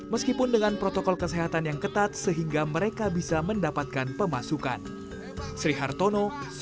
meskipun dengan protokol kesehatan yang ketat sehingga mereka bisa mendapatkan pemasukan